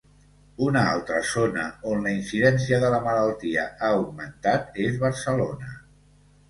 Una altra zona on la incidència de la malaltia ha augmentat és Barcelona.